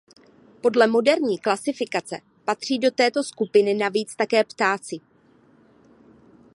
Podle moderní klasifikace patří do této skupiny navíc také ptáci.